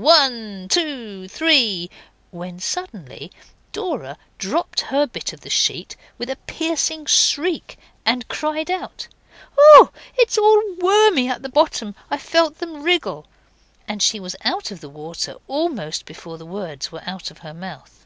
One, two, three,' when suddenly Dora dropped her bit of the sheet with a piercing shriek and cried out 'Oh! it's all wormy at the bottom. I felt them wriggle.' And she was out of the water almost before the words were out of her mouth.